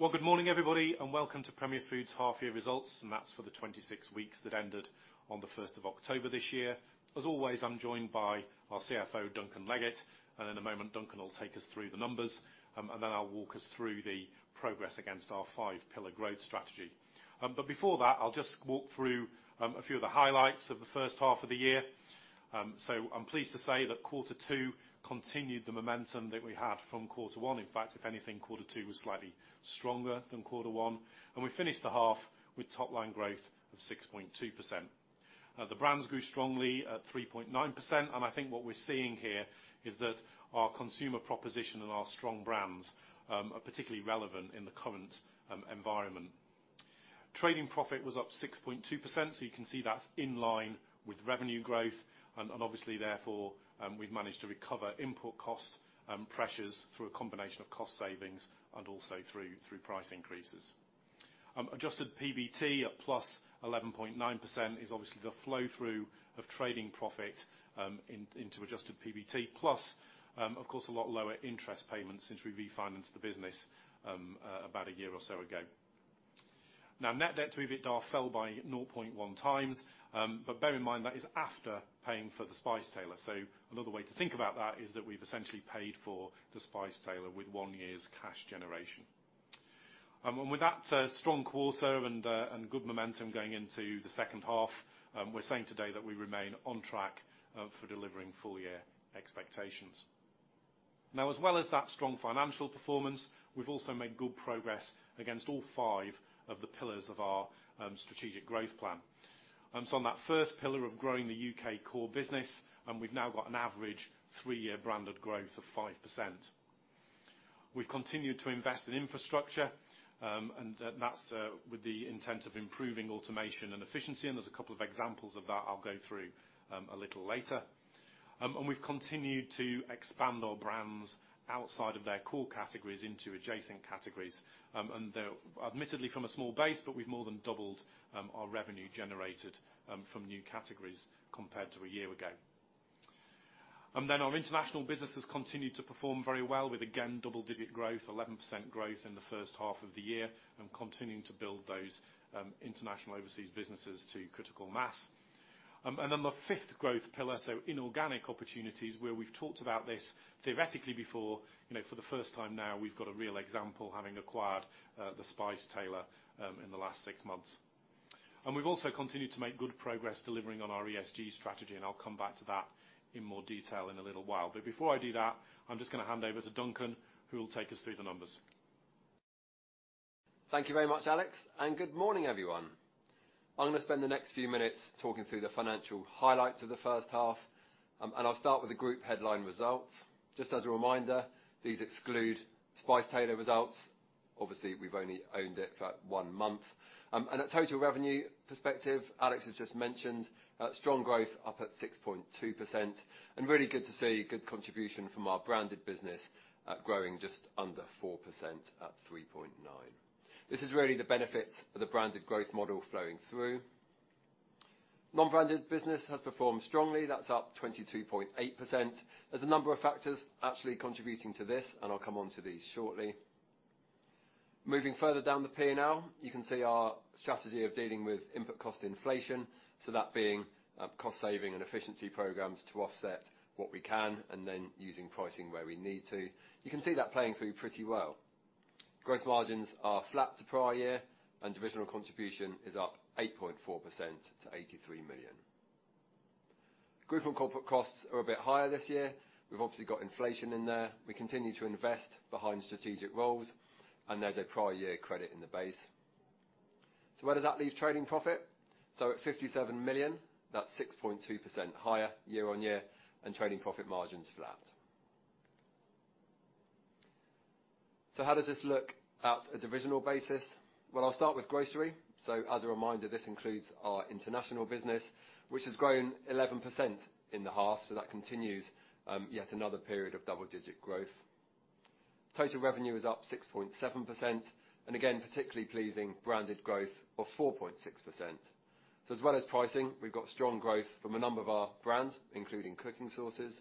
Well, good morning, everybody, and welcome to Premier Foods half-year results, and that's for the 26 weeks that ended on 1 October this year. As always, I'm joined by our CFO, Duncan Leggett. In a moment, Duncan will take us through the numbers, and then I'll walk us through the progress against our five-pillar growth strategy. Before that, I'll just walk through a few of the highlights of the first half of the year. I'm pleased to say that quarter two continued the momentum that we had from quarter one. In fact, if anything, quarter two was slightly stronger than quarter one, and we finished the half with top line growth of 6.2%. The brands grew strongly at 3.9%, and I think what we're seeing here is that our consumer proposition and our strong brands are particularly relevant in the current environment. Trading profit was up 6.2%, so you can see that's in line with revenue growth and obviously therefore we've managed to recover input cost pressures through a combination of cost savings and also through price increases. Adjusted PBT at +11.9% is obviously the flow through of trading profit into adjusted PBT, plus of course a lot lower interest payments since we refinanced the business about a year or so ago. Net debt to EBITDA fell by 0.1 times, but bear in mind that is after paying for the Spice Tailor. Another way to think about that is that we've essentially paid for The Spice Tailor with one year's cash generation. With that strong quarter and good momentum going into the second half, we're saying today that we remain on track for delivering full year expectations. Now, as well as that strong financial performance, we've also made good progress against all 5 of the pillars of our strategic growth plan. On that first pillar of growing the U.K. core business, and we've now got an average three-year branded growth of 5%. We've continued to invest in infrastructure and that's with the intent of improving automation and efficiency, and there's a couple of examples of that I'll go through a little later. We've continued to expand our brands outside of their core categories into adjacent categories. They're admittedly from a small base, but we've more than doubled our revenue generated from new categories compared to a year ago. Then our international business has continued to perform very well with again, double-digit growth, 11% growth in the first half of the year and continuing to build those international overseas businesses to critical mass. Then the fifth growth pillar, so inorganic opportunities where we've talked about this theoretically before, you know, for the first time now, we've got a real example having acquired The Spice Tailor in the last six months. We've also continued to make good progress delivering on our ESG strategy, and I'll come back to that in more detail in a little while. Before I do that, I'm just gonna hand over to Duncan, who will take us through the numbers. Thank you very much, Alex, and good morning, everyone. I'm gonna spend the next few minutes talking through the financial highlights of the first half, and I'll start with the group headline results. Just as a reminder, these exclude Spice Tailor results. Obviously, we've only owned it for one month. At total revenue perspective, Alex has just mentioned, strong growth up at 6.2%, and really good to see good contribution from our branded business at growing just under 4% at 3.9%. This is really the benefits of the branded growth model flowing through. Non-branded business has performed strongly. That's up 22.8%. There's a number of factors actually contributing to this, and I'll come onto these shortly. Moving further down the P&L, you can see our strategy of dealing with input cost inflation, so that being cost savings and efficiency programs to offset what we can and then using pricing where we need to. You can see that playing through pretty well. Gross margins are flat to prior year and divisional contribution is up 8.4% to 83 million. Group and corporate costs are a bit higher this year. We've obviously got inflation in there. We continue to invest behind strategic roles and there's a prior year credit in the base. Where does that leave trading profit? At 57 million, that's 6.2% higher year-on-year and trading profit margins flat. How does this look at a divisional basis? Well, I'll start with grocery. As a reminder, this includes our international business, which has grown 11% in the half. That continues yet another period of double-digit growth. Total revenue is up 6.7% and again, particularly pleasing branded growth of 4.6%. As well as pricing, we've got strong growth from a number of our brands, including cooking sauces.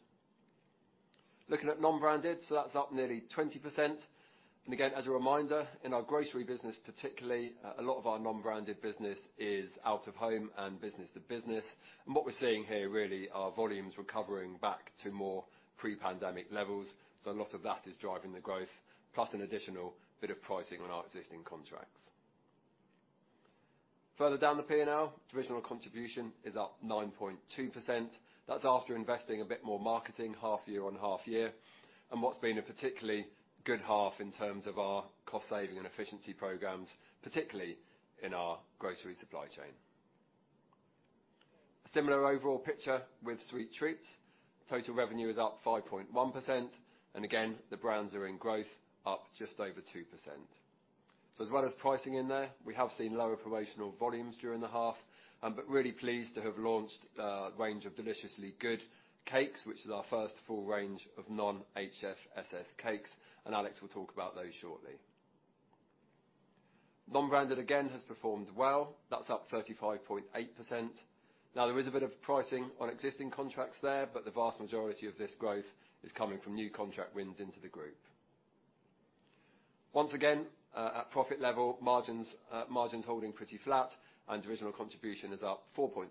Looking at non-branded, that's up nearly 20% and again, as a reminder, in our grocery business, particularly, a lot of our non-branded business is out of home and business to business. What we're seeing here really are volumes recovering back to more pre-pandemic levels. A lot of that is driving the growth, plus an additional bit of pricing on our existing contracts. Further down the P&L, divisional contribution is up 9.2%. That's after investing a bit more in marketing half year on half year and what's been a particularly good half in terms of our cost savings and efficiency programs, particularly in our grocery supply chain. A similar overall picture with Sweet Treats. Total revenue is up 5.1% and again, the brands are in growth up just over 2%. As well as pricing in there, we have seen lower promotional volumes during the half, but really pleased to have launched a range of Deliciously Good cakes, which is our first full range of non-HFSS cakes and Alex will talk about those shortly. Non-branded again has performed well. That's up 35.8%. Now, there is a bit of pricing on existing contracts there, but the vast majority of this growth is coming from new contract wins into the group. Once again, at profit level, margins holding pretty flat and divisional contribution is up 4.7%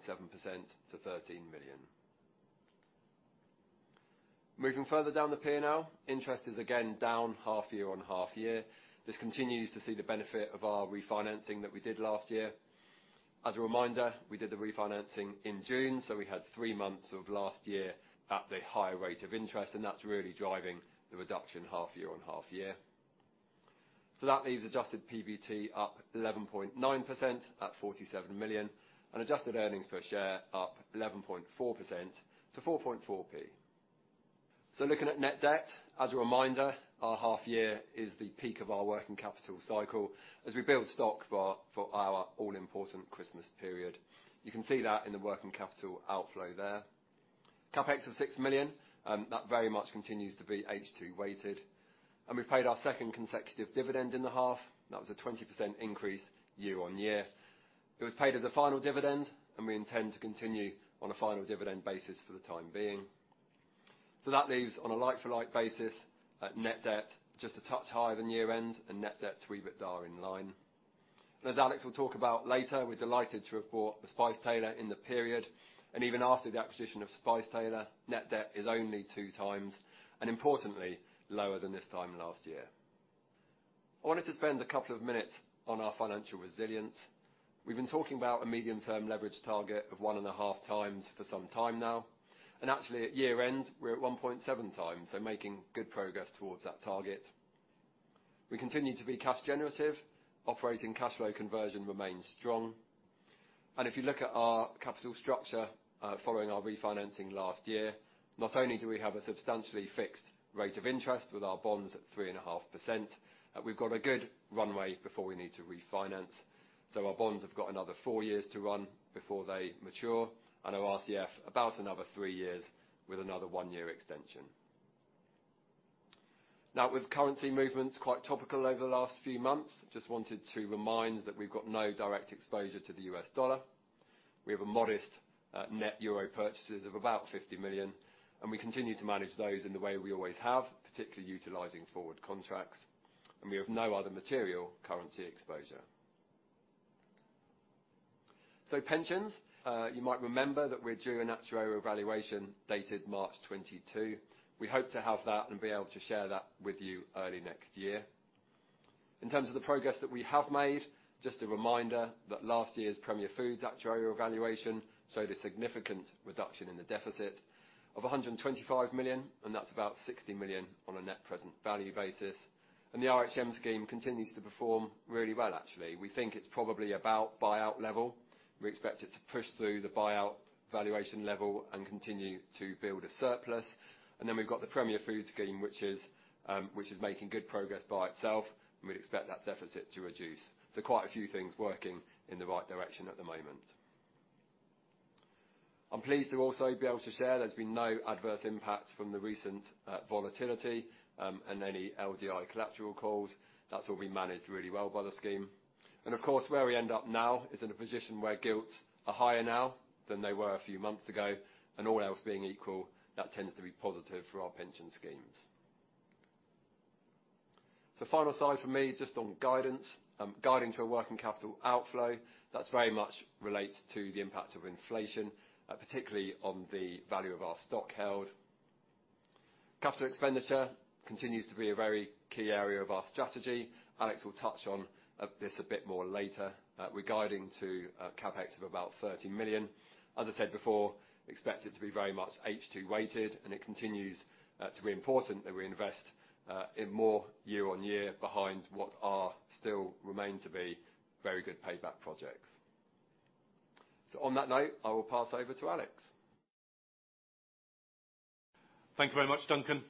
to 13 million. Moving further down the P&L, interest is again down half year on half year. This continues to see the benefit of our refinancing that we did last year. As a reminder, we did the refinancing in June, so we had three months of last year at the higher rate of interest, and that's really driving the reduction half year on half year. That leaves adjusted PBT up 11.9% at 47 million and adjusted earnings per share up 11.4% to 4.4p. Looking at net debt, as a reminder, our half year is the peak of our working capital cycle as we build stock for our all-important Christmas period. You can see that in the working capital outflow there. CapEx of 6 million, that very much continues to be H2-weighted. We paid our second consecutive dividend in the half. That was a 20% increase year-on-year. It was paid as a final dividend, and we intend to continue on a final dividend basis for the time being. That leaves on a like-for-like basis at net debt, just a touch higher than year-end and net debt to EBITDA in line. As Alex will talk about later, we're delighted to report The Spice Tailor in the period. Even after the acquisition of The Spice Tailor, net debt is only 2x, and importantly, lower than this time last year. I wanted to spend a couple of minutes on our financial resilience. We've been talking about a medium-term leverage target of 1.5x for some time now. Actually at year-end, we're at 1.7x, so making good progress towards that target. We continue to be cash generative. Operating cash flow conversion remains strong. If you look at our capital structure, following our refinancing last year, not only do we have a substantially fixed rate of interest with our bonds at 3.5%, but we've got a good runway before we need to refinance. Our bonds have got another four years to run before they mature, and our RCF about another three years with another one year extension. Now, with currency movements quite topical over the last few months, just wanted to remind that we've got no direct exposure to the US dollar. We have a modest net euro purchases of about 50 million, and we continue to manage those in the way we always have, particularly utilizing forward contracts. We have no other material currency exposure. Pensions, you might remember that we're due an actuarial valuation dated March 2022. We hope to have that and be able to share that with you early next year. In terms of the progress that we have made, just a reminder that last year's Premier Foods actuarial valuation showed a significant reduction in the deficit of 125 million, and that's about 60 million on a net present value basis. The RHM scheme continues to perform really well, actually. We think it's probably about buyout level. We expect it to push through the buyout valuation level and continue to build a surplus. We've got the Premier Foods scheme, which is making good progress by itself, and we'd expect that deficit to reduce. Quite a few things working in the right direction at the moment. I'm pleased to also be able to share there's been no adverse impact from the recent volatility and any LDI collateral calls. That's all been managed really well by the scheme. Of course, where we end up now is in a position where gilts are higher now than they were a few months ago, and all else being equal, that tends to be positive for our pension schemes. Final slide for me, just on guidance. Guiding to a working capital outflow, that very much relates to the impact of inflation, particularly on the value of our stock held. Capital expenditure continues to be a very key area of our strategy. Alex will touch on this a bit more later regarding to CapEx of about 13 million. As I said before, expect it to be very much H2-weighted, and it continues to be important that we invest in more year on year behind what are still remain to be very good payback projects. On that note, I will pass over to Alex. Thank you very much, Duncan.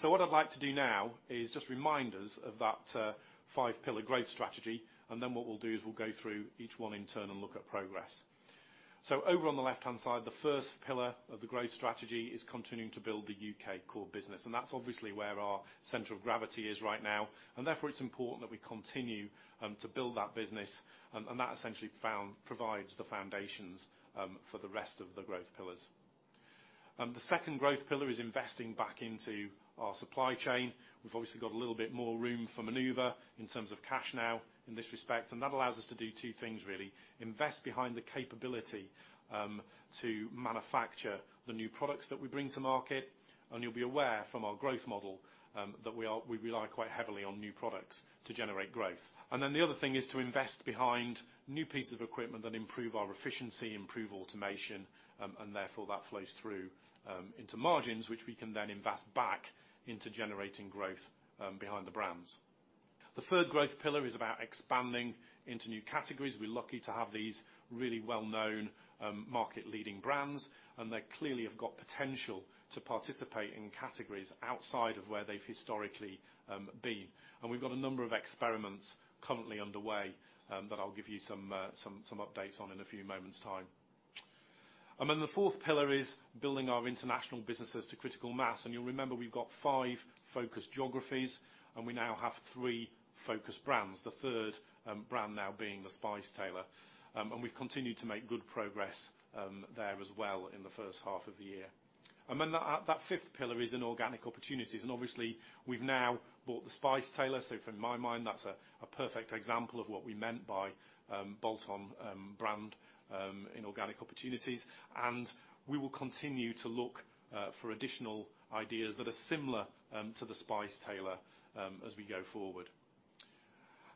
What I'd like to do now is just remind us of that five pillar growth strategy, and then what we'll do is we'll go through each one in turn and look at progress. Over on the left-hand side, the first pillar of the growth strategy is continuing to build the U.K. core business, and that's obviously where our center of gravity is right now. Therefore, it's important that we continue to build that business, and that essentially provides the foundations for the rest of the growth pillars. The second growth pillar is investing back into our supply chain. We've obviously got a little bit more room for maneuver in terms of cash now in this respect, and that allows us to do two things, really. Invest behind the capability to manufacture the new products that we bring to market. You'll be aware from our growth model that we rely quite heavily on new products to generate growth. The other thing is to invest behind new pieces of equipment that improve our efficiency, improve automation, and therefore that flows through into margins, which we can then invest back into generating growth behind the brands. The third growth pillar is about expanding into new categories. We're lucky to have these really well-known market leading brands, and they clearly have got potential to participate in categories outside of where they've historically been. We've got a number of experiments currently underway that I'll give you some updates on in a few moments time. The fourth pillar is building our international businesses to critical mass. You'll remember we've got five focus geographies, and we now have three focus brands. The third brand now being The Spice Tailor. We've continued to make good progress there as well in the first half of the year. That fifth pillar is inorganic opportunities. Obviously, we've now bought The Spice Tailor, so from my mind, that's a perfect example of what we meant by bolt-on brand inorganic opportunities. We will continue to look for additional ideas that are similar to The Spice Tailor as we go forward.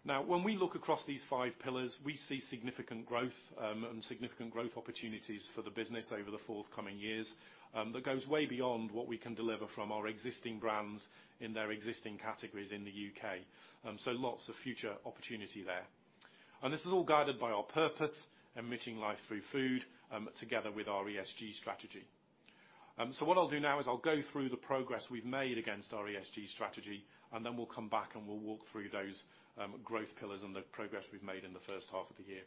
Now, when we look across these five pillars, we see significant growth, and significant growth opportunities for the business over the forthcoming years, that goes way beyond what we can deliver from our existing brands in their existing categories in the U.K. Lots of future opportunity there. This is all guided by our purpose, enriching lives through food, together with our ESG strategy. What I'll do now is I'll go through the progress we've made against our ESG strategy, and then we'll come back and we'll walk through those, growth pillars and the progress we've made in the first half of the year.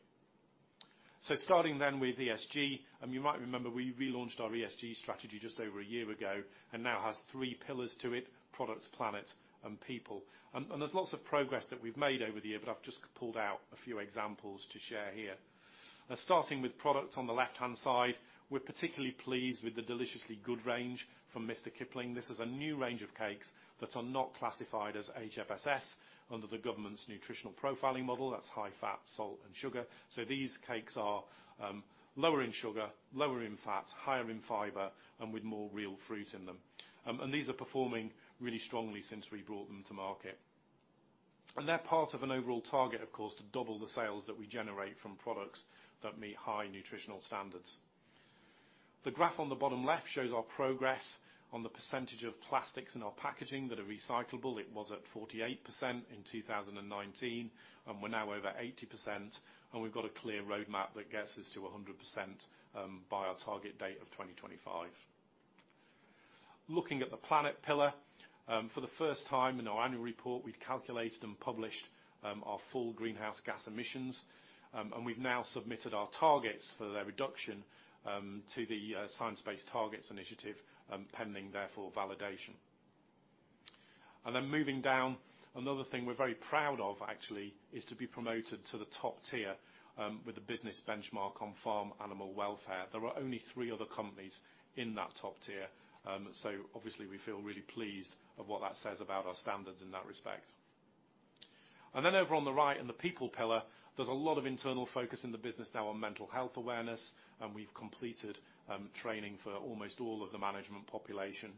Starting then with ESG, you might remember we relaunched our ESG strategy just over a year ago and now has three pillars to it, products, planet, and people. There's lots of progress that we've made over the year, but I've just pulled out a few examples to share here. Starting with products on the left-hand side, we're particularly pleased with the Deliciously Good range from Mr. Kipling. This is a new range of cakes that are not classified as HFSS under the government's nutritional profiling model. That's high fat, salt, and sugar. These cakes are lower in sugar, lower in fat, higher in fiber, and with more real fruit in them. These are performing really strongly since we brought them to market. They're part of an overall target, of course, to double the sales that we generate from products that meet high nutritional standards. The graph on the bottom left shows our progress on the percentage of plastics in our packaging that are recyclable. It was at 48% in 2019, and we're now over 80%, and we've got a clear roadmap that gets us to 100%, by our target date of 2025. Looking at the planet pillar, for the first time in our annual report, we've calculated and published our full greenhouse gas emissions, and we've now submitted our targets for their reduction to the Science Based Targets initiative, pending their validation. Moving down, another thing we're very proud of, actually, is to be promoted to the top tier with the business benchmark on farm animal welfare. There are only three other companies in that top tier, so obviously we feel really pleased of what that says about our standards in that respect. Then over on the right, in the people pillar, there's a lot of internal focus in the business now on mental health awareness, and we've completed training for almost all of the management population.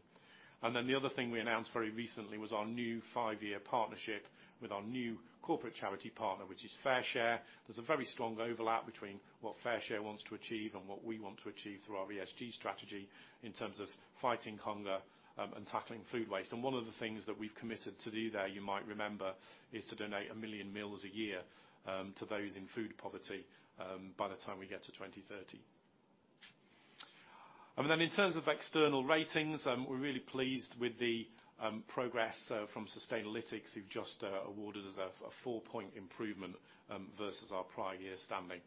Then the other thing we announced very recently was our new five-year partnership with our new corporate charity partner, which is FareShare. There's a very strong overlap between what FareShare wants to achieve and what we want to achieve through our ESG strategy in terms of fighting hunger and tackling food waste. One of the things that we've committed to do there, you might remember, is to donate 1 million meals a year to those in food poverty by the time we get to 2030. In terms of external ratings, we're really pleased with the progress from Sustainalytics, who've just awarded us a four-point improvement versus our prior year standing.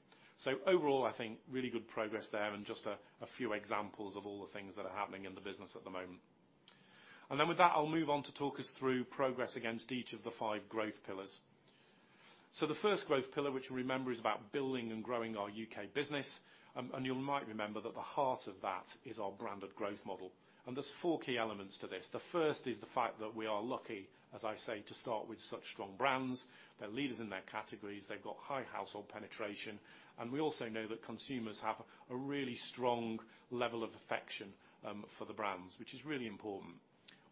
Overall, I think really good progress there and just a few examples of all the things that are happening in the business at the moment. With that, I'll move on to talk us through progress against each of the five growth pillars. The first growth pillar, which you'll remember, is about building and growing our U.K. business. You might remember that the heart of that is our branded growth model. There's four key elements to this. The first is the fact that we are lucky, as I say, to start with such strong brands. They're leaders in their categories. They've got high household penetration. We also know that consumers have a really strong level of affection for the brands, which is really important.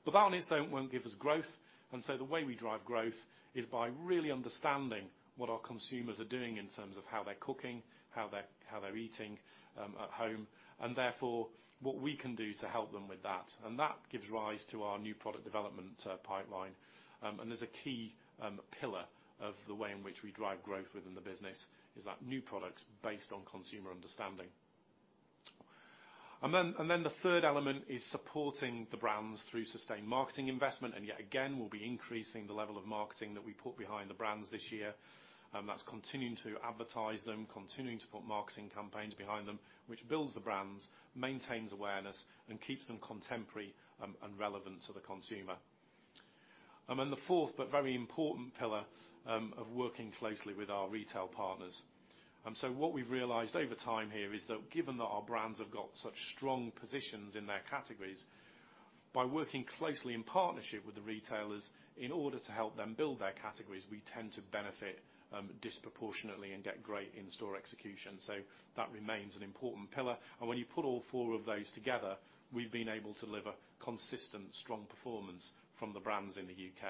That on its own won't give us growth. The way we drive growth is by really understanding what our consumers are doing in terms of how they're cooking, how they're eating at home, and therefore what we can do to help them with that. That gives rise to our new product development pipeline. There's a key pillar of the way in which we drive growth within the business is that new products based on consumer understanding. The third element is supporting the brands through sustained marketing investment. We'll be increasing the level of marketing that we put behind the brands this year. That's continuing to advertise them, continuing to put marketing campaigns behind them, which builds the brands, maintains awareness, and keeps them contemporary, and relevant to the consumer. Then the fourth but very important pillar of working closely with our retail partners. What we've realized over time here is that given that our brands have got such strong positions in their categories, by working closely in partnership with the retailers, in order to help them build their categories, we tend to benefit disproportionately and get great in-store execution. That remains an important pillar. When you put all four of those together, we've been able to deliver consistent, strong performance from the brands in the U.K.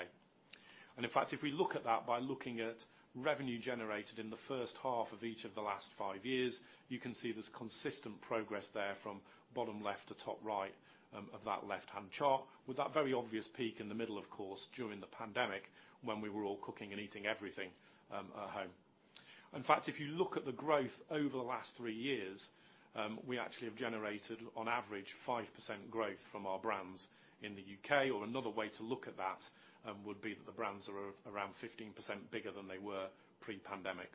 In fact, if we look at that by looking at revenue generated in the first half of each of the last five years, you can see there's consistent progress there from bottom left to top right of that left-hand chart, with that very obvious peak in the middle, of course, during the pandemic, when we were all cooking and eating everything at home. In fact, if you look at the growth over the last three years, we actually have generated on average 5% growth from our brands in the U.K. Another way to look at that would be that the brands are around 15% bigger than they were pre-pandemic.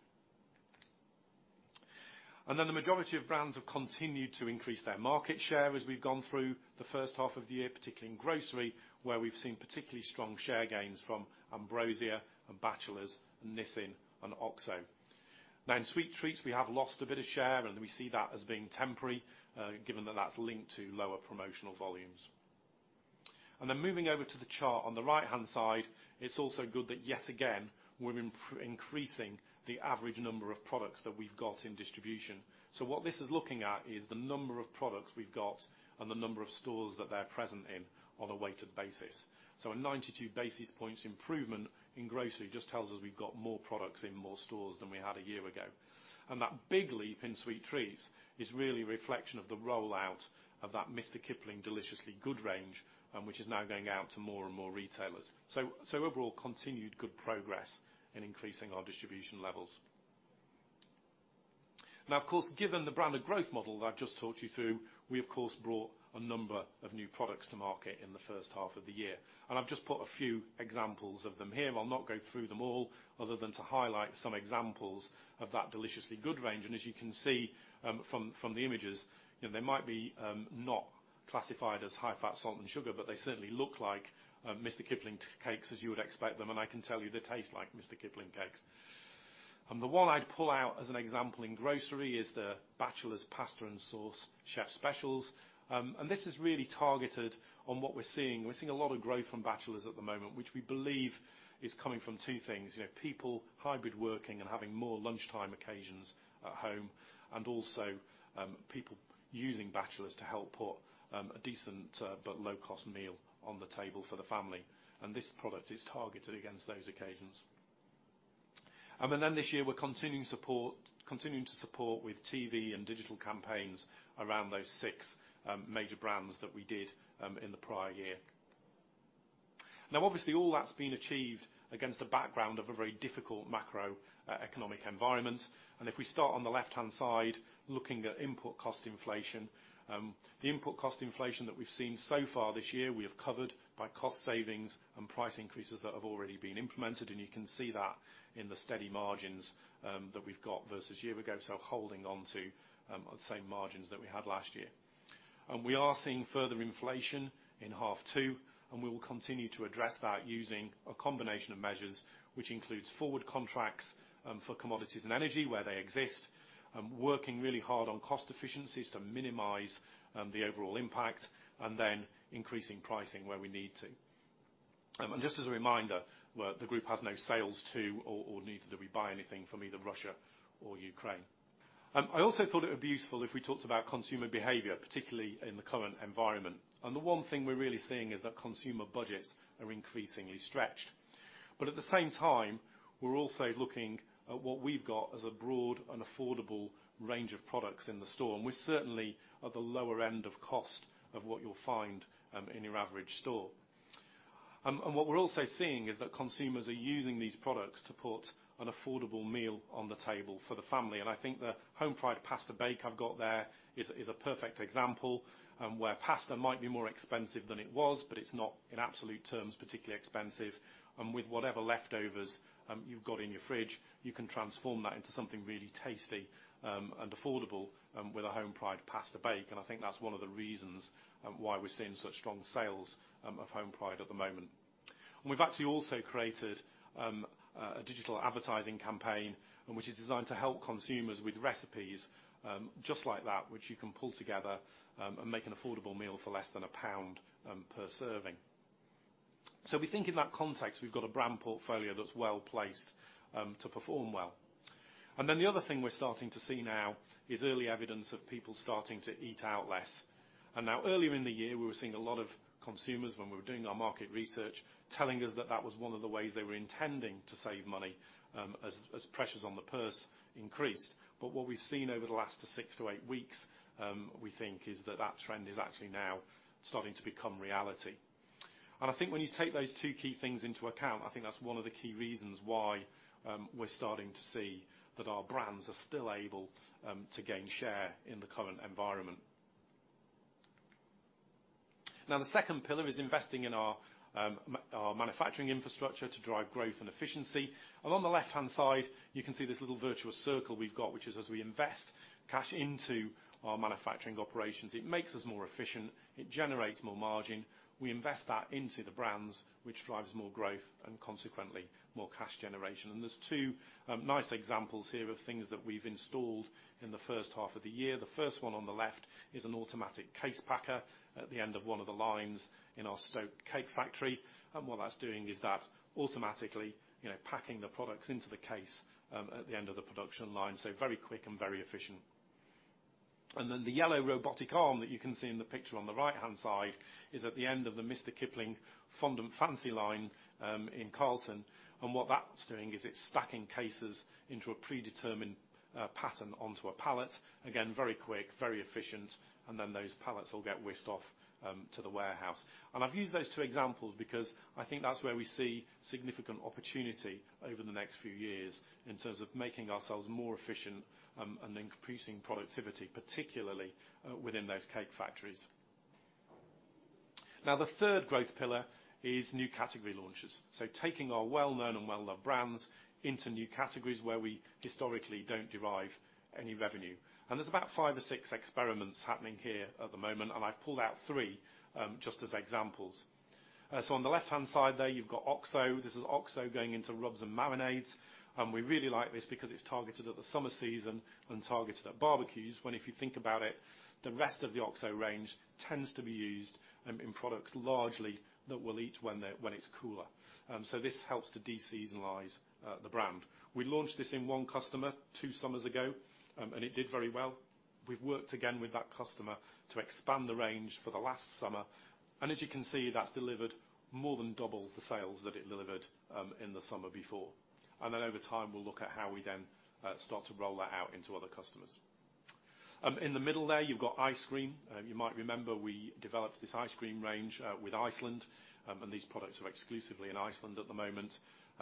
The majority of brands have continued to increase their market share as we've gone through the first half of the year, particularly in grocery, where we've seen particularly strong share gains from Ambrosia and Batchelors, Nissin and OXO. In Sweet Treats, we have lost a bit of share, and we see that as being temporary, given that that's linked to lower promotional volumes. Moving over to the chart on the right-hand side, it's also good that yet again, we're increasing the average number of products that we've got in distribution. What this is looking at is the number of products we've got and the number of stores that they're present in on a weighted basis. A 92 basis points improvement in grocery just tells us we've got more products in more stores than we had a year ago. That big leap in Sweet Treats is really a reflection of the rollout of that Mr. Kipling Deliciously Good range, which is now going out to more and more retailers. Overall, continued good progress in increasing our distribution levels. Now, of course, given the brand and growth model that I've just talked you through, we of course brought a number of new products to market in the first half of the year. I've just put a few examples of them here, and I'll not go through them all other than to highlight some examples of that Deliciously Good range. As you can see, from the images, you know, they might be not classified as high fat, salt and sugar, but they certainly look like Mr. Kipling tea cakes as you would expect them, and I can tell you they taste like Mr. Kipling cakes. The one I'd pull out as an example in grocery is the Batchelors Pasta and Sauce Chef Specials. This is really targeted on what we're seeing. We're seeing a lot of growth from Batchelors at the moment, which we believe is coming from two things. You know, people hybrid working and having more lunchtime occasions at home, and also, people using Batchelors to help put a decent but low-cost meal on the table for the family. This product is targeted against those occasions. This year, we're continuing to support with TV and digital campaigns around those six major brands that we did in the prior year. Now, obviously, all that's been achieved against the background of a very difficult macroeconomic environment. If we start on the left-hand side, looking at input cost inflation, the input cost inflation that we've seen so far this year, we have covered by cost savings and price increases that have already been implemented, and you can see that in the steady margins that we've got versus year ago, so holding onto the same margins that we had last year. We are seeing further inflation in half two, and we will continue to address that using a combination of measures, which includes forward contracts for commodities and energy where they exist, working really hard on cost efficiencies to minimize the overall impact and then increasing pricing where we need to. Just as a reminder, the group has no sales to or neither do we buy anything from either Russia or Ukraine. I also thought it would be useful if we talked about consumer behavior, particularly in the current environment. The one thing we're really seeing is that consumer budgets are increasingly stretched. At the same time, we're also looking at what we've got as a broad and affordable range of products in the store. We're certainly at the lower end of cost of what you'll find in your average store. What we're also seeing is that consumers are using these products to put an affordable meal on the table for the family. I think the Homepride Pasta Bake I've got there is a perfect example where pasta might be more expensive than it was, but it's not in absolute terms, particularly expensive. With whatever leftovers you've got in your fridge, you can transform that into something really tasty and affordable with a Homepride Pasta Bake. I think that's one of the reasons why we're seeing such strong sales of Homepride at the moment. We've actually also created a digital advertising campaign, which is designed to help consumers with recipes, just like that, which you can pull together, and make an affordable meal for less than GBP 1 per serving. We think in that context, we've got a brand portfolio that's well-placed to perform well. The other thing we're starting to see now is early evidence of people starting to eat out less. Earlier in the year, we were seeing a lot of consumers when we were doing our market research telling us that that was one of the ways they were intending to save money, as pressures on the purse increased. What we've seen over the last 6 to 8 weeks, we think is that that trend is actually now starting to become reality. I think when you take those two key things into account, I think that's one of the key reasons why we're starting to see that our brands are still able to gain share in the current environment. Now, the second pillar is investing in our our manufacturing infrastructure to drive growth and efficiency. Along the left-hand side, you can see this little virtuous circle we've got, which is as we invest cash into our manufacturing operations, it makes us more efficient, it generates more margin. We invest that into the brands, which drives more growth and consequently, more cash generation. There's two nice examples here of things that we've installed in the first half of the year. The first one on the left is an automatic case packer at the end of one of the lines in our Stoke cake factory. What that's doing is that automatically, you know, packing the products into the case at the end of the production line, so very quick and very efficient. Then the yellow robotic arm that you can see in the picture on the right-hand side is at the end of the Mr. Kipling French Fancies line in Carlton. What that's doing is it's stacking cases into a predetermined pattern onto a pallet. Again, very quick, very efficient, and then those pallets all get whisked off to the warehouse. I've used those two examples because I think that's where we see significant opportunity over the next few years in terms of making ourselves more efficient and increasing productivity, particularly within those cake factories. Now, the third growth pillar is new category launches. Taking our well-known and well-loved brands into new categories where we historically don't derive any revenue. There's about five or six experiments happening here at the moment, and I've pulled out three, just as examples. On the left-hand side there, you've got OXO. This is OXO going into rubs and marinades, and we really like this because it's targeted at the summer season and targeted at barbecues, when if you think about it, the rest of the OXO range tends to be used in products largely that we'll eat when it's cooler. This helps to de-seasonalize the brand. We launched this in one customer two summers ago, and it did very well. We've worked again with that customer to expand the range for the last summer. As you can see, that's delivered more than double the sales that it delivered in the summer before. Then over time, we'll look at how we then start to roll that out into other customers. In the middle there, you've got ice cream. You might remember we developed this ice cream range with Iceland, and these products are exclusively in Iceland at the moment.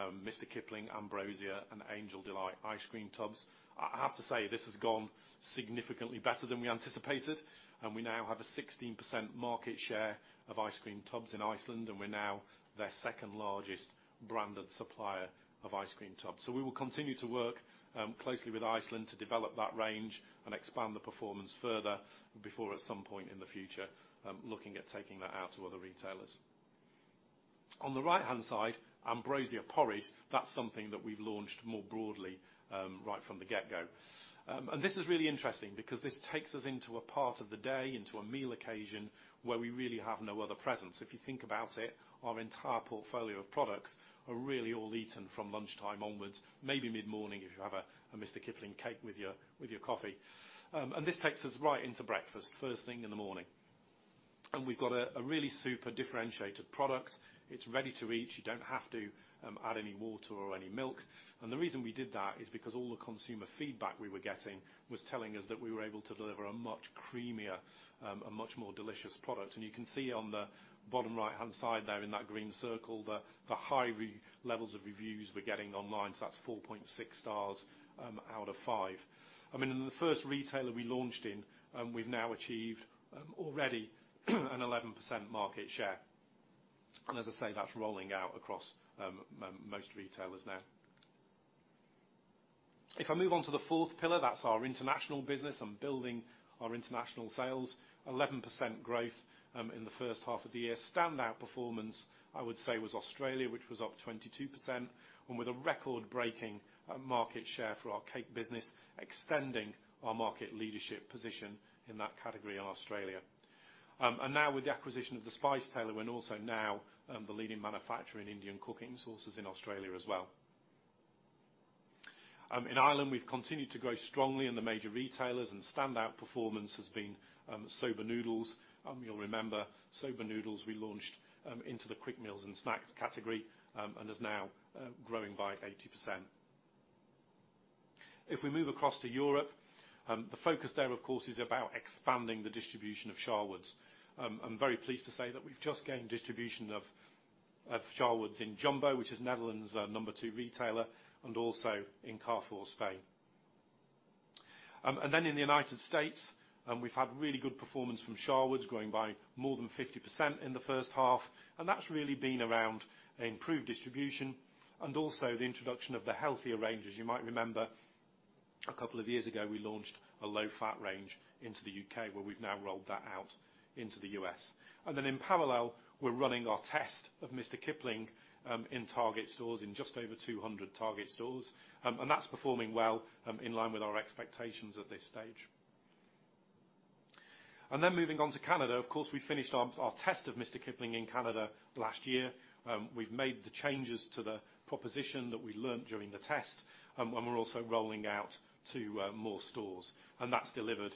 Mr. Kipling, Ambrosia, and Angel Delight ice cream tubs. I have to say, this has gone significantly better than we anticipated, and we now have a 16% market share of ice cream tubs in Iceland, and we're now their second-largest branded supplier of ice cream tubs. We will continue to work closely with Iceland to develop that range and expand the performance further before at some point in the future looking at taking that out to other retailers. On the right-hand side, Ambrosia porridge, that's something that we've launched more broadly right from the get-go. This is really interesting because this takes us into a part of the day, into a meal occasion where we really have no other presence. If you think about it, our entire portfolio of products are really all eaten from lunchtime onwards, maybe mid-morning if you have a Mr. Kipling cake with your coffee. This takes us right into breakfast first thing in the morning. We've got a really super differentiated product. It's ready to eat. You don't have to add any water or any milk. The reason we did that is because all the consumer feedback we were getting was telling us that we were able to deliver a much creamier, a much more delicious product. You can see on the bottom right-hand side there in that green circle the high levels of reviews we're getting online. That's 4.6 stars out of 5. I mean, in the first retailer we launched in, we've now achieved already an 11% market share. As I say, that's rolling out across most retailers now. If I move on to the fourth pillar, that's our international business and building our international sales. 11% growth in the first half of the year. Standout performance, I would say, was Australia, which was up 22% and with a record-breaking market share for our cake business, extending our market leadership position in that category in Australia. Now with the acquisition of The Spice Tailor and also now the leading manufacturer in Indian cooking sauces in Australia as well. In Ireland, we've continued to grow strongly in the major retailers and standout performance has been Soba noodles. You'll remember, Soba noodles we launched into the quick meals and snacks category and is now growing by 80%. If we move across to Europe, the focus there, of course, is about expanding the distribution of Sharwood's. I'm very pleased to say that we've just gained distribution of Sharwood's in Jumbo, which is Netherlands' number two retailer and also in Carrefour, Spain. In the United States, we've had really good performance from Sharwood's, growing by more than 50% in the first half, and that's really been around improved distribution and also the introduction of the healthier range. As you might remember, a couple of years ago, we launched a low-fat range into the U.K., where we've now rolled that out into the U.S. In parallel, we're running our test of Mr. Kipling in Target stores, in just over 200 Target stores. That's performing well, in line with our expectations at this stage. Moving on to Canada, of course, we finished our test of Mr. Kipling in Canada last year. We've made the changes to the proposition that we learned during the test, and we're also rolling out to more stores. That's delivered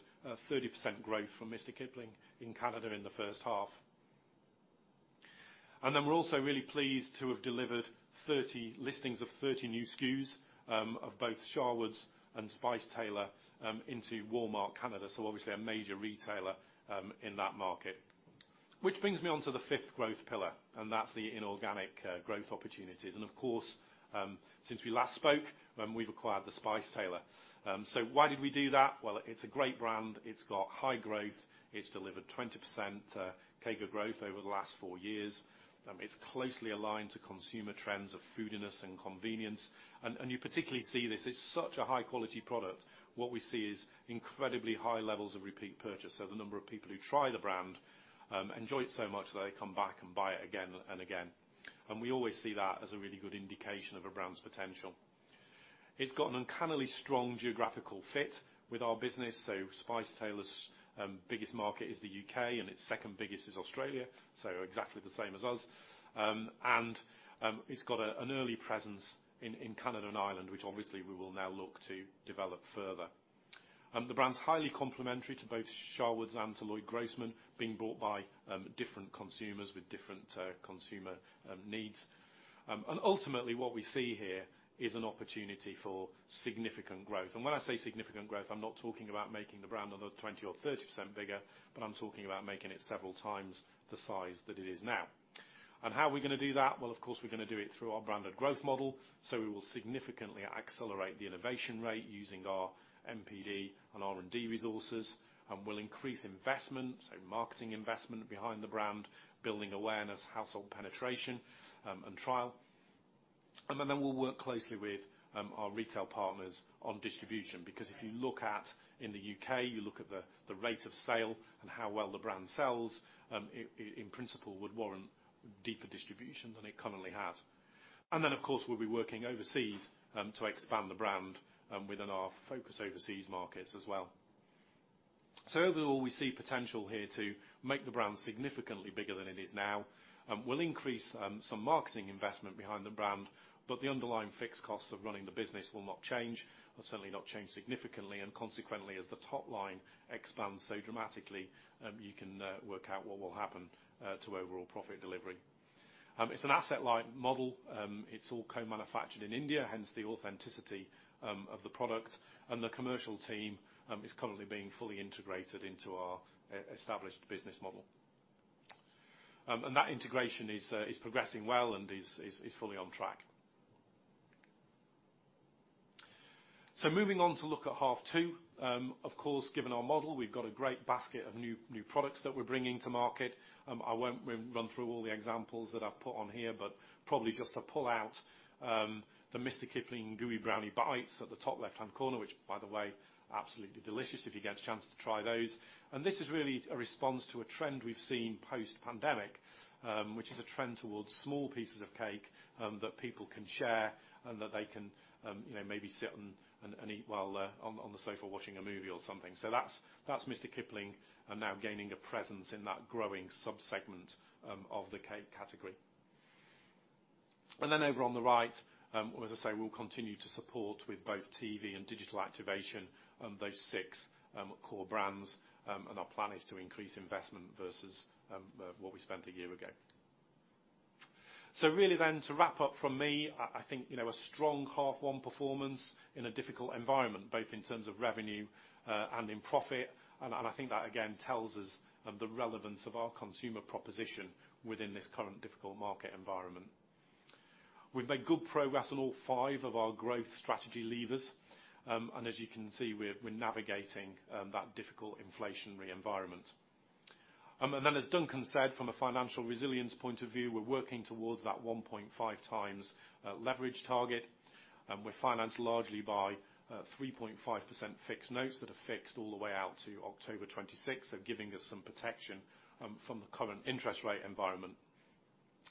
30% growth from Mr. Kipling in Canada in the first half. We're also really pleased to have delivered 30 listings of 30 new SKUs of both Sharwood's and The Spice Tailor into Walmart Canada. Obviously a major retailer in that market. Which brings me onto the fifth growth pillar, and that's the inorganic growth opportunities. Of course, since we last spoke, we've acquired The Spice Tailor. Why did we do that? Well, it's a great brand. It's got high growth. It's delivered 20% CAGR growth over the last 4 years. It's closely aligned to consumer trends of foodiness and convenience. You particularly see this. It's such a high-quality product. What we see is incredibly high levels of repeat purchase. The number of people who try the brand enjoy it so much that they come back and buy it again and again. We always see that as a really good indication of a brand's potential. It's got an uncannily strong geographical fit with our business. The Spice Tailor’s biggest market is the U.K., and its second biggest is Australia, so exactly the same as us. It’s got an early presence in Canada and Ireland, which obviously we will now look to develop further. The brand's highly complementary to both Sharwood's and to Loyd Grossman being bought by different consumers with different consumer needs. Ultimately, what we see here is an opportunity for significant growth. When I say significant growth, I'm not talking about making the brand another 20% or 30% bigger, but I'm talking about making it several times the size that it is now. How are we going to do that? Well, of course, we're going to do it through our branded growth model, so we will significantly accelerate the innovation rate using our NPD and R&D resources, and we'll increase investment, so marketing investment behind the brand, building awareness, household penetration, and trial. Then we'll work closely with our retail partners on distribution. Because if you look at the rate of sale in the U.K. and how well the brand sells, it in principle would warrant deeper distribution than it currently has. Of course, we'll be working overseas to expand the brand within our focus overseas markets as well. Overall, we see potential here to make the brand significantly bigger than it is now. We'll increase some marketing investment behind the brand, but the underlying fixed costs of running the business will not change, or certainly not change significantly. Consequently, as the top line expands so dramatically, you can work out what will happen to overall profit delivery. It's an asset-light model. It's all co-manufactured in India, hence the authenticity of the product. The commercial team is currently being fully integrated into our established business model. That integration is fully on track. Moving on to look at H2. Of course, given our model, we've got a great basket of new products that we're bringing to market. I won't run through all the examples that I've put on here, but probably just to pull out the Mr. Kipling Gooey Brownie Bites at the top left-hand corner, which by the way, absolutely delicious if you get a chance to try those. This is really a response to a trend we've seen post-pandemic, which is a trend towards small pieces of cake that people can share and that they can, you know, maybe sit and eat while on the sofa watching a movie or something. That's Mr. Kipling now gaining a presence in that growing subsegment of the cake category. Over on the right, as I say, we'll continue to support with both TV and digital activation, those six core brands. Our plan is to increase investment versus what we spent a year ago. To wrap up from me, I think, you know, a strong H1 performance in a difficult environment, both in terms of revenue and in profit. I think that again tells us of the relevance of our consumer proposition within this current difficult market environment. We've made good progress on all five of our growth strategy levers. As you can see, we're navigating that difficult inflationary environment. As Duncan said, from a financial resilience point of view, we're working towards that 1.5 times leverage target. We're financed largely by 3.5% fixed notes that are fixed all the way out to October 2026. They're giving us some protection from the current interest rate environment.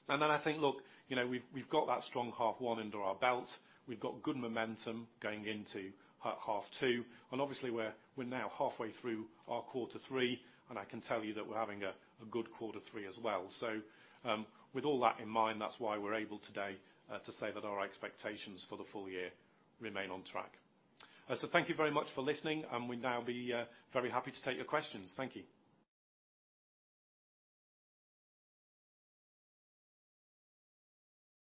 I think, look, you know, we've got that strong half one under our belt. We've got good momentum going into half two. Obviously, we're now halfway through our quarter three, and I can tell you that we're having a good quarter three as well. With all that in mind, that's why we're able today to say that our expectations for the full year remain on track. Thank you very much for listening, and we'd now be very happy to take your questions. Thank you.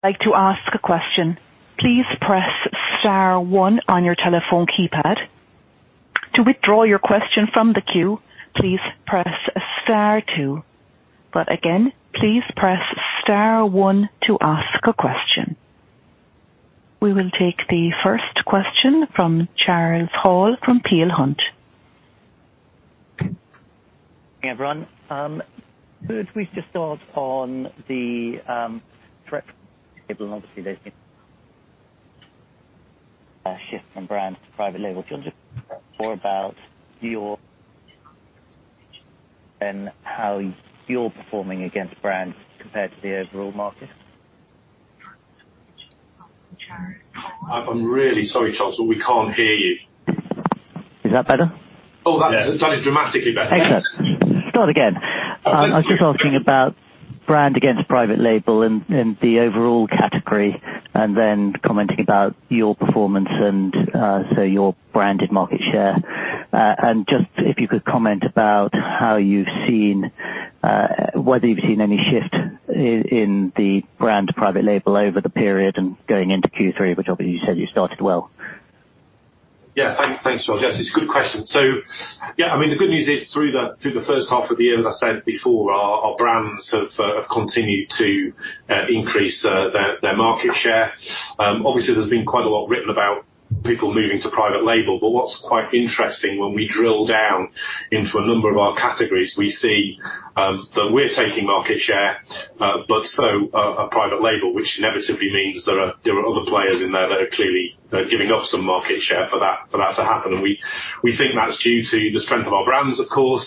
like to ask a question, please press star one on your telephone keypad. To withdraw your question from the queue, please press star two. Again, please press star one to ask a question. We will take the first question from Charles Hall from Peel Hunt. Everyone, could we just start on the Sweet Treats, and obviously there's been a shift from brands to private label. Do you want to just more about your brand and how you're performing against brands compared to the overall market? I'm really sorry, Charles, but we can't hear you. Is that better? Oh, that's dramatically better. Excellent. Start again. I'm just asking about brand against private label and the overall category, and then commenting about your performance and so your branded market share. Just if you could comment about how you've seen whether you've seen any shift in the brand private label over the period and going into Q3, which obviously you said you started well. Yeah. Thanks, Charles. Yes, it's a good question. Yeah, I mean, the good news is through the first half of the year, as I said before, our brands have continued to increase their market share. Obviously, there's been quite a lot written about people moving to private label. What's quite interesting, when we drill down into a number of our categories, we see that we're taking market share, but so are private label, which inevitably means there are other players in there that are clearly giving up some market share for that to happen. We think that's due to the strength of our brands, of course,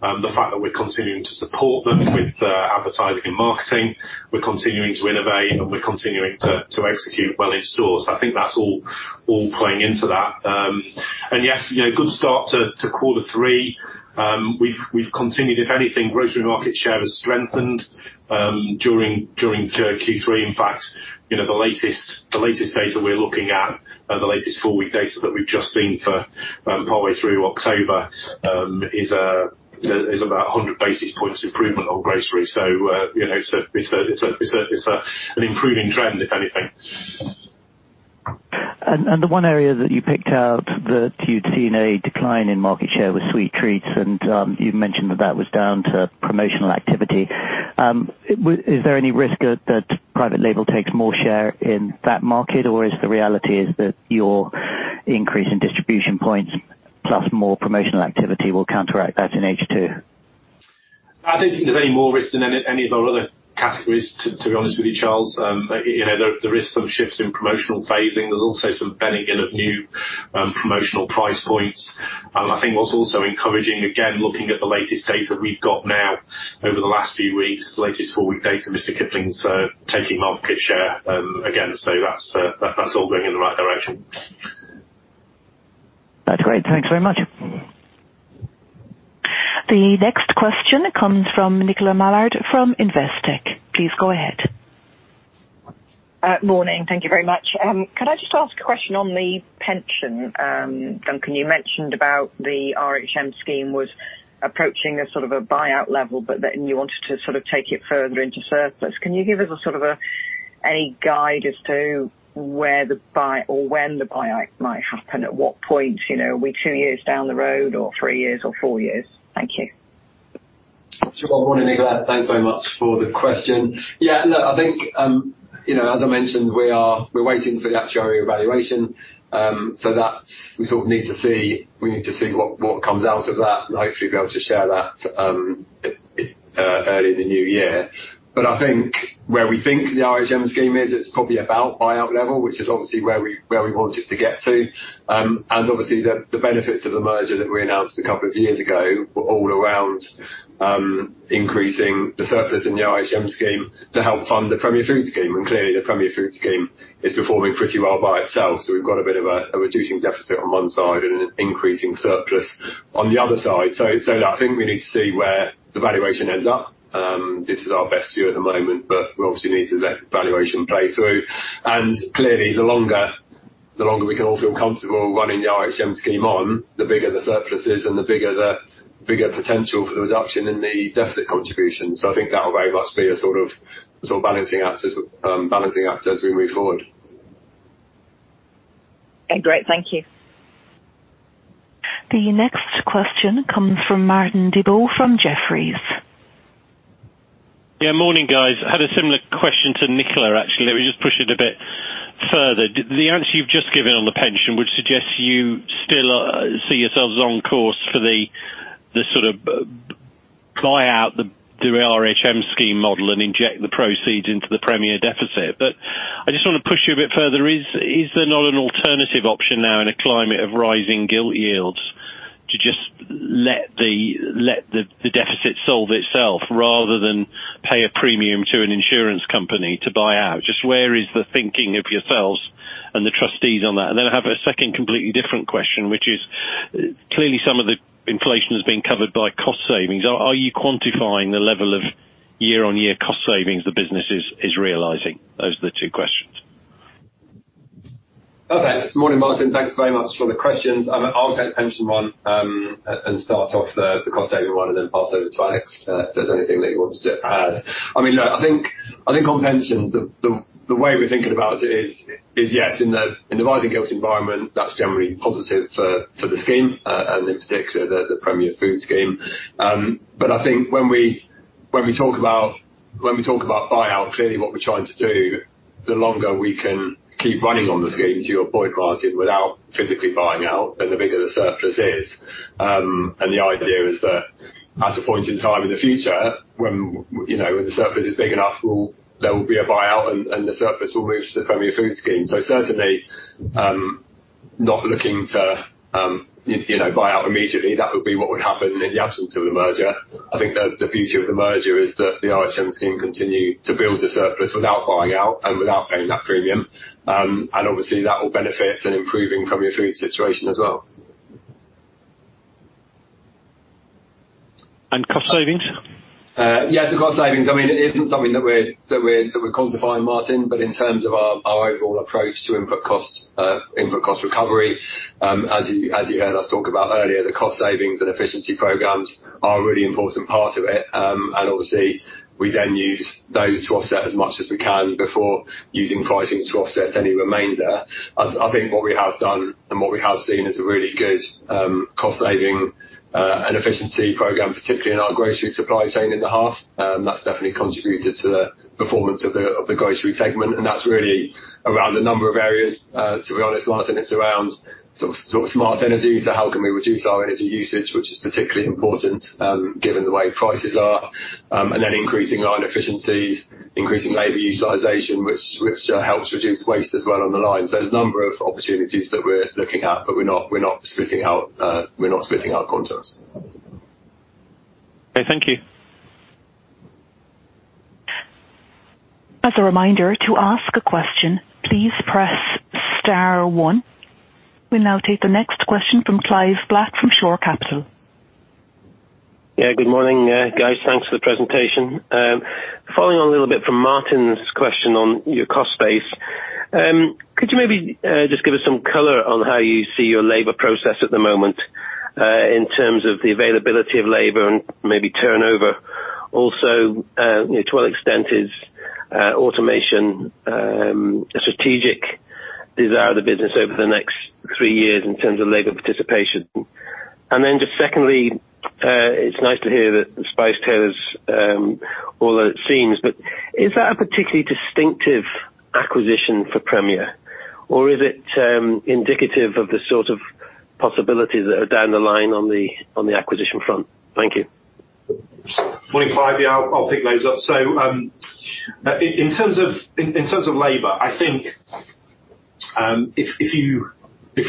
the fact that we're continuing to support them with advertising and marketing. We're continuing to innovate, and we're continuing to execute well in stores. I think that's all playing into that. Yes, you know, good start to quarter three. We've continued. If anything, grocery market share has strengthened during Q3. In fact, you know, the latest data we're looking at, the latest four-week data that we've just seen for partway through October, is about 100 basis points improvement on grocery. So, you know, it's an improving trend, if anything. The area that you picked out that you'd seen a decline in market share was Sweet Treats, you'd mentioned that that was down to promotional activity. Is there any risk that private label takes more share in that market? Or the reality is that your increase in distribution points plus more promotional activity will counteract that in H2? I don't think there's any more risk than any of our other categories, to be honest with you, Charles. You know, there is some shifts in promotional phasing. There's also some bedding in of new promotional price points. I think what's also encouraging, again, looking at the latest data we've got now over the last few weeks, the latest four-week data, Mr. Kipling's taking market share, again. That's all going in the right direction. That's great. Thanks very much. The next question comes from Nicola Mallard from Investec. Please go ahead. Morning. Thank you very much. Could I just ask a question on the pension, Duncan, you mentioned about the RHM scheme was approaching a sort of a buyout level, but then you wanted to sort of take it further into surplus. Can you give us a sort of a, any guide as to where the buy or when the buyout might happen, at what point, you know? Are we two years down the road, or three years or four years? Thank you. Sure. Morning, Nicola. Thanks very much for the question. Yeah, look, I think, you know, as I mentioned, we're waiting for the actuarial evaluation. So that's, we sort of need to see what comes out of that, and hopefully be able to share that, earlier in the new year. I think where we think the RHM scheme is, it's probably about buyout level, which is obviously where we want it to get to. Obviously the benefits of the merger that we announced a couple of years ago were all around increasing the surplus in the RHM scheme to help fund the Premier Foods scheme. Clearly, the Premier Foods scheme is performing pretty well by itself, so we've got a bit of a reducing deficit on one side and an increasing surplus on the other side. Look, I think we need to see where the valuation ends up. This is our best view at the moment, but we obviously need to let valuation play through. Clearly, the longer we can all feel comfortable running the RHM scheme on, the bigger the surplus is and the bigger the potential for the reduction in the deficit contribution. I think that will very much be a sort of balancing act as we move forward. Okay, great. Thank you. The next question comes from Martin Deboo from Jefferies. Yeah. Morning, guys. I had a similar question to Nicola, actually. Let me just push it a bit further. The answer you've just given on the pension would suggest you still see yourselves on course for the sort of buyout the RHM scheme model and inject the proceeds into the Premier deficit. I just wanna push you a bit further. Is there not an alternative option now in a climate of rising gilt yields to just let the deficit solve itself rather than pay a premium to an insurance company to buy out? Just where is the thinking of yourselves and the trustees on that? I have a second completely different question, which is, clearly some of the inflation has been covered by cost savings. Are you quantifying the level of year-on-year cost savings the business is realizing? Those are the two questions. Okay. Morning, Martin. Thanks very much for the questions. I mean, I'll take the pension one, and start off the cost savings one and then pass over to Alex, if there's anything that he wants to add. I mean, look, I think on pensions, the way we're thinking about it is yes, in the rising gilt environment, that's generally positive for the scheme, and in particular the Premier Foods scheme. But I think when we talk about buyout, clearly what we're trying to do, the longer we can keep running on the scheme, to your point, Martin, without physically buying out, then the bigger the surplus is. The idea is that at a point in time in the future when you know when the surplus is big enough, there will be a buyout and the surplus will move to the Premier Foods scheme. Certainly not looking to you know buy out immediately. That would be what would happen in the absence of the merger. I think the beauty of the merger is that the RHM scheme continue to build a surplus without buying out and without paying that premium. Obviously that will benefit in improving Premier Foods's situation as well. Cost savings? Yeah, I mean, it isn't something that we're quantifying, Martin, but in terms of our overall approach to input costs, input cost recovery, as you heard us talk about earlier, the cost savings and efficiency programs are a really important part of it. Obviously we then use those to offset as much as we can before using pricing to offset any remainder. I think what we have done and what we have seen is a really good cost saving and efficiency program, particularly in our grocery supply chain in the half. That's definitely contributed to the performance of the grocery segment, and that's really around a number of areas. To be honest, Martin, it's around sort of smart energy, so how can we reduce our energy usage, which is particularly important given the way prices are. Increasing line efficiencies, increasing labor utilization, which helps reduce waste as well on the line. There's a number of opportunities that we're looking at, but we're not splitting out costs. Okay, thank you. As a reminder, to ask a question, please press star one. We'll now take the next question from Clive Black from Shore Capital. Yeah. Good morning, guys. Thanks for the presentation. Following on a little bit from Martin's question on your cost base, could you maybe just give us some color on how you see your labor process at the moment? In terms of the availability of labor and maybe turnover also, you know, to what extent is automation a strategic desire of the business over the next three years in terms of labor participation? Then just secondly, it's nice to hear that The Spice Tailor’s all that it seems. But is that a particularly distinctive acquisition for Premier, or is it indicative of the sort of possibilities that are down the line on the acquisition front? Thank you. Morning, Clive. Yeah, I'll pick those up. In terms of labor, I think, if you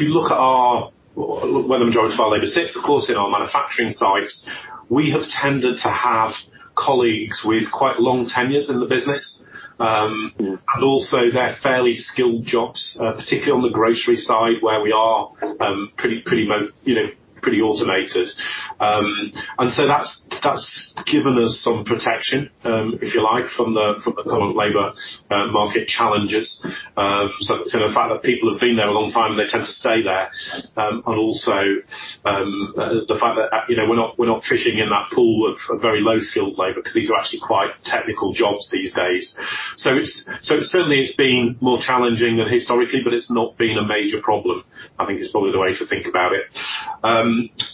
look at where the majority of our labor sits, of course, in our manufacturing sites, we have tended to have colleagues with quite long tenures in the business. Mm. They're fairly skilled jobs, particularly on the grocery side, where we are pretty automated. That's given us some protection, if you like, from the current labor market challenges. The fact that people have been there a long time, they tend to stay there. The fact that, you know, we're not fishing in that pool of very low-skilled labor 'cause these are actually quite technical jobs these days. It's certainly been more challenging than historically, but it's not been a major problem, I think is probably the way to think about it.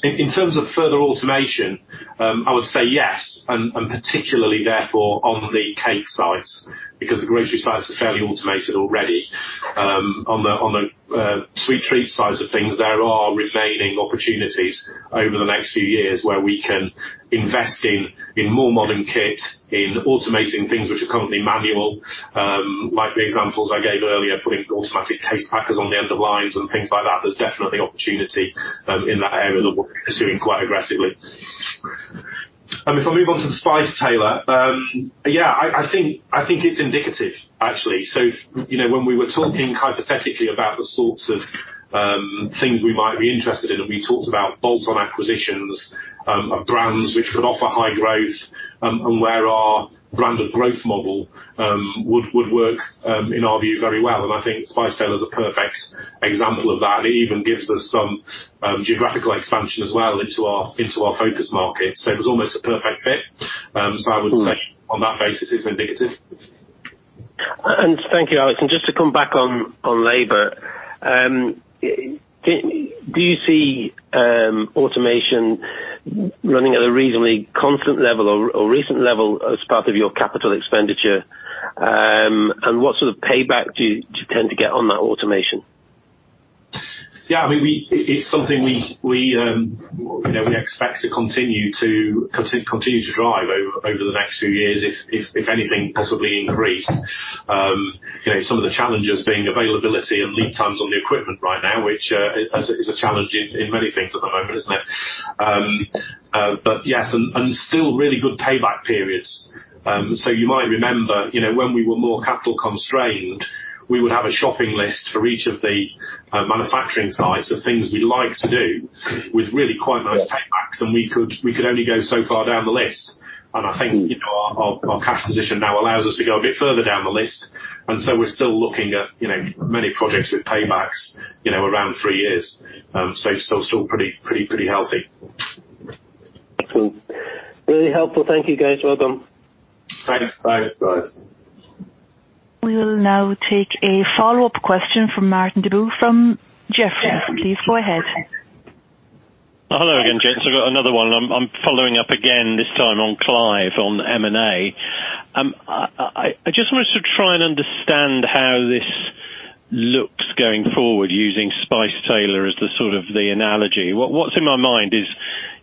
In terms of further automation, I would say yes, and particularly therefore on the cake sides because the grocery sides are fairly automated already. On the Sweet Treats side of things, there are remaining opportunities over the next few years where we can invest in more modern kit, in automating things which are currently manual, like the examples I gave earlier, putting automatic case packers on the end of lines and things like that. There's definitely opportunity in that area that we're pursuing quite aggressively. If I move on to The Spice Tailor, yeah, I think it's indicative actually. You know, when we were talking hypothetically about the sorts of things we might be interested in, and we talked about bolt-on acquisitions of brands which could offer high growth, and where our branded growth model would work in our view very well. I think Spice Tailor is a perfect example of that, and it even gives us some geographical expansion as well into our focus market, so it was almost a perfect fit. I would say- Mm. On that basis, it's indicative. Thank you, Alex. Just to come back on labor, do you see automation running at a reasonably constant level or recent level as part of your capital expenditure? What sort of payback do you tend to get on that automation? Yeah, I mean, it's something we, you know, we expect to continue to drive over the next few years if anything possibly increased. You know, some of the challenges being availability and lead times on the equipment right now, which is a challenge in many things at the moment, isn't it? But yes, and still really good payback periods. You might remember, you know, when we were more capital constrained, we would have a shopping list for each of the manufacturing sites of things we'd like to do with really quite nice paybacks. Yeah. We could only go so far down the list. Mm. I think, you know, our cash position now allows us to go a bit further down the list, and so we're still looking at, you know, many projects with paybacks, you know, around three years. Still pretty healthy. Cool. Really helpful. Thank you, guys. Welcome. Thanks. Thanks, guys. We will now take a follow-up question from Martin Deboo from Jefferies. Please go ahead. Hello again, gents. I've got another one. I'm following up again, this time on Clive on M&A. I just wanted to try and understand how this looks going forward using Spice Tailor as the sort of the analogy. What's in my mind is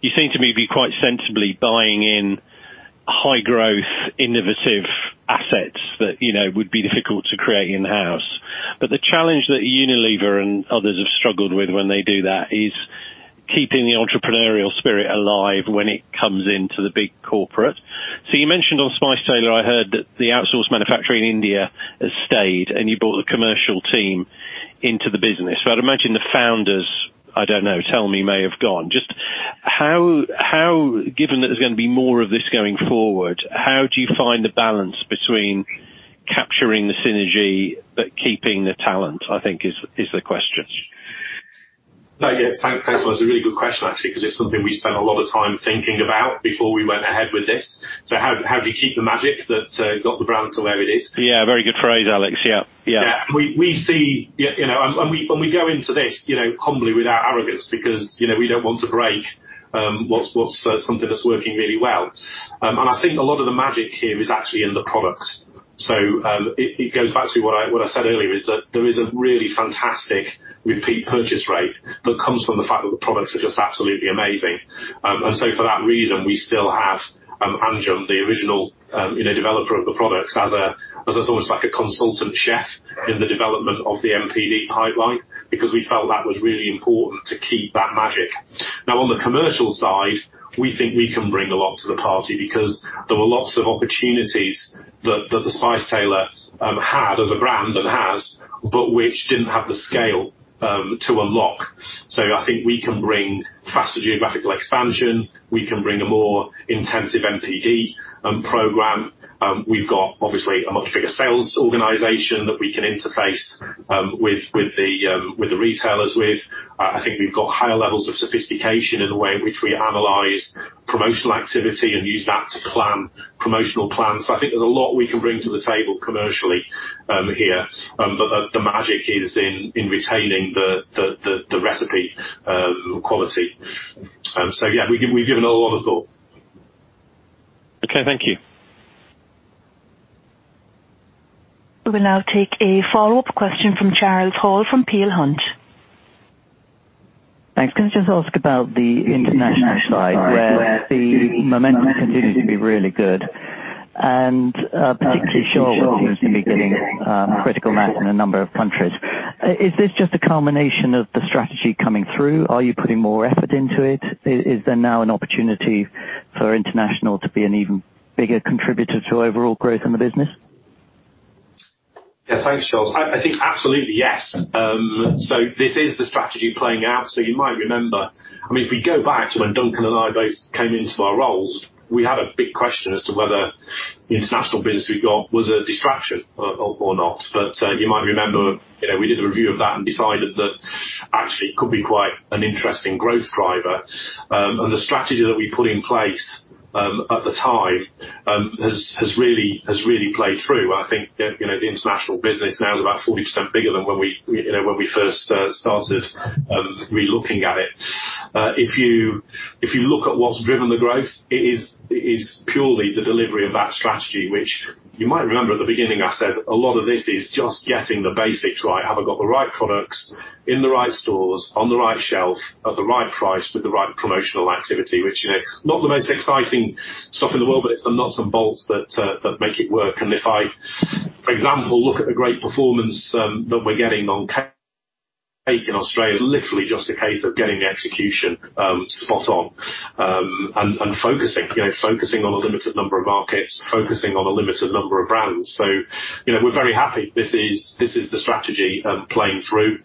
you seem to me to be quite sensibly buying in high-growth, innovative assets that, you know, would be difficult to create in-house. The challenge that Unilever and others have struggled with when they do that is keeping the entrepreneurial spirit alive when it comes into the big corporate. You mentioned on Spice Tailor, I heard that the outsourced manufacturing in India has stayed, and you brought the commercial team into the business. I'd imagine the founders, I don't know, tell me, may have gone. Just how, given that there's gonna be more of this going forward, how do you find the balance between capturing the synergy but keeping the talent, I think is the question. No, yeah. Thanks for that. It's a really good question actually, 'cause it's something we spent a lot of time thinking about before we went ahead with this. How do you keep the magic that got the brand to where it is? Yeah, very good phrase, Alex. Yeah. Yeah. Yeah. We see you know and we go into this you know humbly without arrogance because you know we don't want to break what's something that's working really well. I think a lot of the magic here is actually in the product. It goes back to what I said earlier is that there is a really fantastic repeat purchase rate that comes from the fact that the products are just absolutely amazing. For that reason, we still have Anjum, the original developer of the products as almost like a consultant chef in the development of the NPD pipeline because we felt that was really important to keep that magic. Now, on the commercial side, we think we can bring a lot to the party because there were lots of opportunities that the Spice Tailor had as a brand and has, but which didn't have the scale to unlock. I think we can bring faster geographical expansion. We can bring a more intensive NPD program. We've got, obviously, a much bigger sales organization that we can interface with the retailers with. I think we've got higher levels of sophistication in the way in which we analyze promotional activity and use that to plan promotional plans. I think there's a lot we can bring to the table commercially here. The magic is in retaining the recipe quality. Yeah, we've given it a lot of thought. Okay, thank you. We will now take a follow-up question from Charles Hall from Peel Hunt. Thanks. Can I just ask about the international side where the momentum continues to be really good and particularly in Europe what seems to be getting critical mass in a number of countries. Is this just a culmination of the strategy coming through? Are you putting more effort into it? Is there now an opportunity for international to be an even bigger contributor to overall growth in the business? Yeah, thanks, Charles. I think absolutely, yes. This is the strategy playing out. You might remember, I mean, if we go back to when Duncan and I both came into our roles, we had a big question as to whether the international business we've got was a distraction or not. You might remember, you know, we did the review of that and decided that actually it could be quite an interesting growth driver. The strategy that we put in place at the time has really played through. I think, you know, the international business now is about 40% bigger than when we first started re-looking at it. If you look at what's driven the growth, it is purely the delivery of that strategy, which you might remember at the beginning, I said a lot of this is just getting the basics right. Have I got the right products in the right stores, on the right shelf, at the right price with the right promotional activity? Which, you know, not the most exciting stuff in the world, but it's the nuts and bolts that make it work. If I, for example, look at the great performance that we're getting on cake in Australia, literally just a case of getting the execution spot on and focusing, you know, focusing on a limited number of markets, focusing on a limited number of brands. You know, we're very happy. This is the strategy playing through.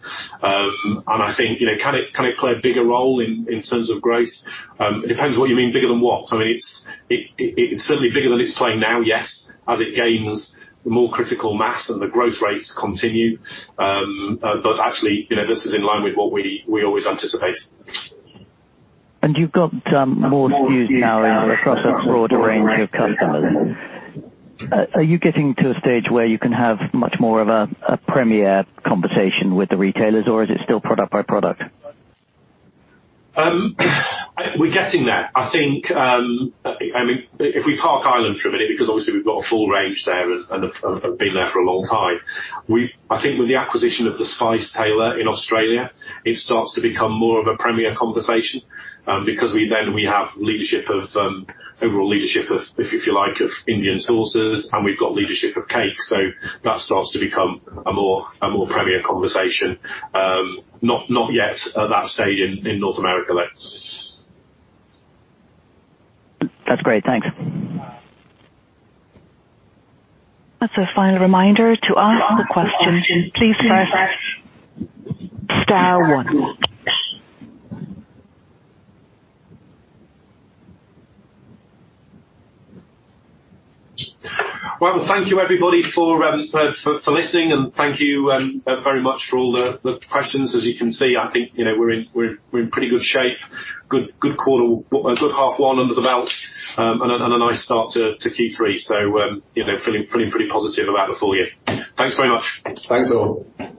I think, you know, can it play a bigger role in terms of growth? It depends what you mean bigger than what. I mean, it's certainly bigger than it's playing now, yes, as it gains more critical mass and the growth rates continue. Actually, you know, this is in line with what we always anticipated. You've got more SKUs now across a broader range of customers. Are you getting to a stage where you can have much more of a Premier conversation with the retailers, or is it still product by product? We're getting there. I think, I mean, if we park Ireland for a minute, because obviously we've got a full range there and have been there for a long time. I think with the acquisition of The Spice Tailor in Australia, it starts to become more of a premier conversation, because we then have overall leadership of, if you like, of Indian sauces, and we've got leadership of cake. That starts to become a more premier conversation. Not yet at that stage in North America. That's great. Thanks. That's a final reminder. To ask a question, please press star one. Well, thank you, everybody, for listening, and thank you very much for all the questions. As you can see, I think, you know, we're in pretty good shape. Good quarter, a good H1 under the belt, and a nice start to Q3. You know, feeling pretty positive about the full year. Thanks very much. Thanks, all.